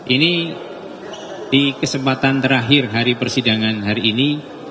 ini di kesempatan terakhir hari persidangan hari ini